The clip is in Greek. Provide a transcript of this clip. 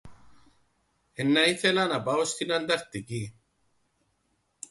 Εννά ήθελα να πάω στην Ανταρκτικήν.